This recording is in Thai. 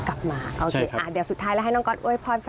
กลับมาโอเคเดี๋ยวสุดท้ายแล้วให้น้องก๊อตโวยพรซะ